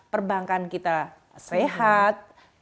perbankan kita sehat